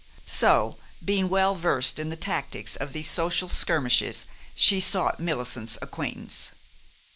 So, being well versed in the tactics of these social skirmishes, she sought Millicent's acquaintance.